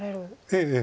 ええ。